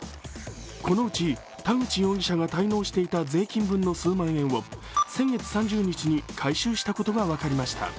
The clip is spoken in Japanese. このうち田口容疑者が滞納していた税金分の数万円を先月３０日に回収したことが分かりました。